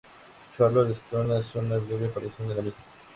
Charlton Heston hace una breve aparición en la misma.